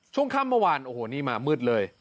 ช่วงค่ำเมื่อวานโอ้โหนี่มามืดเลย